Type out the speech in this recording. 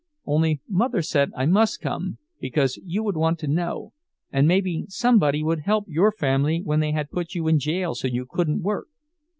Only mother said I must come, because you would want to know, and maybe somebody would help your family when they had put you in jail so you couldn't work.